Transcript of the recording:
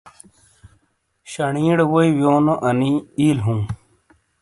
شنی ڑے ووئی تھیونو انی اِیل ہُوں۔